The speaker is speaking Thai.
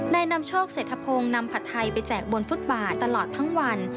นำโชคเศรษฐพงศ์นำผัดไทยไปแจกบนฟุตบาทตลอดทั้งวัน